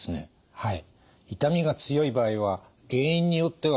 はい。